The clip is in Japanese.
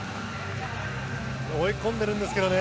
追い込んでいるんですけどね。